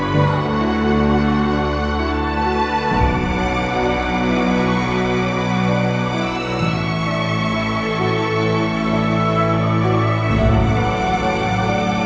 jangan lupa untuk berlangganan